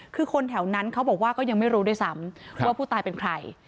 คือคนแถวนั้นเขาบอกว่าก็ยังไม่รู้ด้วยซ้ำว่าผู้ตายเป็นใคร